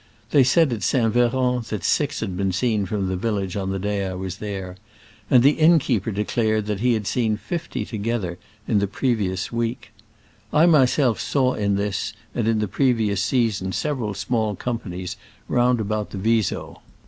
They said at St. Veran that six had been seen from the village on the day I was there, and the innkeeper declared that he had seen fifty together in the previous week ! I myself saw in this and in the previous season several small companies round about the Viso.